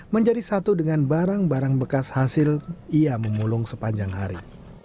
menjadi satu dengan barang barang bekas hasil ia memulung sepanjang hari